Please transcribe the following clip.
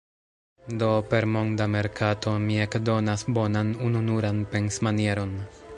Do, per monda merkato, ni ekdonas bonan, ununuran pensmanieron.